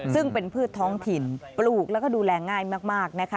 ซึ่งเป็นพืชท้องถิ่นปลูกแล้วก็ดูแลง่ายมากนะคะ